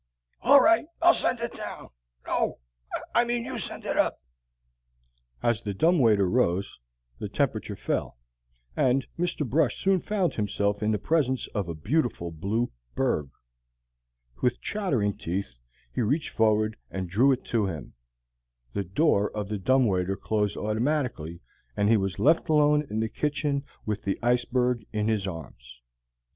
"All right, I'll send it down. No, I mean, you send it up." As the dumb waiter rose, the temperature fell, and Mr. Brush soon found himself in the presence of a beautiful blue berg. With chattering teeth, he reached forward and drew it to him. The door of the dumb waiter closed automatically, and he was left alone in the kitchen with the iceberg in his arms.